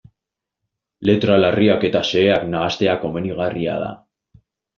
Letra larriak eta xeheak nahastea komenigarria da.